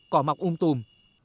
cỏ mọc ung tùm